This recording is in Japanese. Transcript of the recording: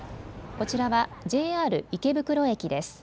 こちらはＪＲ池袋駅です。